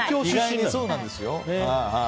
意外にそうなんですよ。